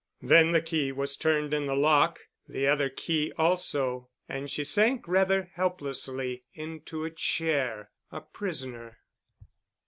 Then the key was turned in the lock, the other key also and she sank rather helplessly into a chair, a prisoner.